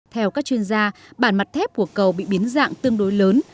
theo các chuyên gia bản mặt thép của cầu bị biến dạng tương đối lớn